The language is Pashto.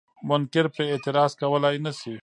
منکر پرې اعتراض کولای نشي.